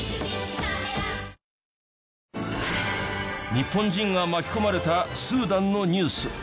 日本人が巻き込まれたスーダンのニュース。